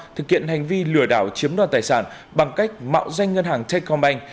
thực hiện hành vi lừa đảo chiếm đoạt tài sản bằng cách mạo danh ngân hàng techcombank